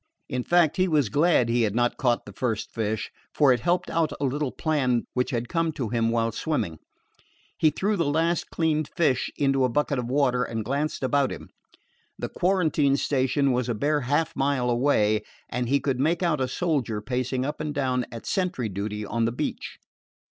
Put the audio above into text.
In fact, he was glad he had not caught the first fish, for it helped out a little plan which had come to him while swimming. He threw the last cleaned fish into a bucket of water and glanced about him. The quarantine station was a bare half mile away, and he could make out a soldier pacing up and down at sentry duty on the beach.